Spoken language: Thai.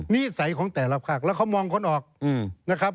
นิสัยของแต่ละภาคแล้วเขามองคนออกนะครับ